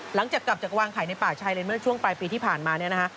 หลังจากกลับจากวางไข่ในป่าชายเลนเมื่อช่วงปลายปีที่ผ่านมาเนี่ยนะฮะ